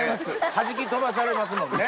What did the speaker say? はじき飛ばされますもんね。